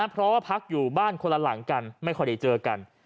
เพราะว่าพักอยู่บ้านคนละหลังกันไม่ค่อยได้เจอกัน